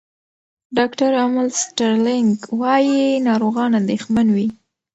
ډاکټر امل سټرلینګ وايي، ناروغان اندېښمن وي.